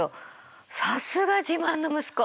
さすが自慢の息子！